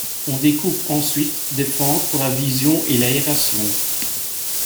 On découpe ensuite des fentes pour la vision et l'aération.